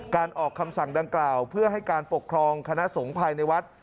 ออกคำสั่งดังกล่าวเพื่อให้การปกครองคณะสงฆ์ภายในวัด